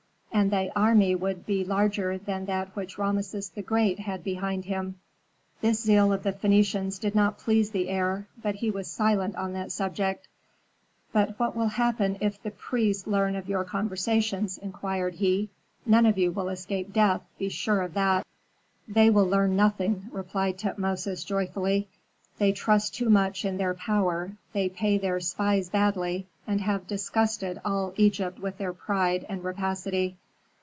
And thy army would be larger than that which Rameses the Great had behind him." This zeal of the Phœnicians did not please the heir, but he was silent on that subject. "But what will happen if the priests learn of your conversations?" inquired he. "None of you will escape death, be sure of that." "They will learn nothing," replied Tutmosis, joyfully. "They trust too much in their power, they pay their spies badly, and have disgusted all Egypt with their pride and rapacity.